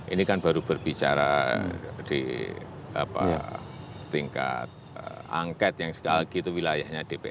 ini kan baru berbicara di tingkat angket yang segala gitu wilayahnya dpr